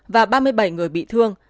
và ba mươi bảy người bị thương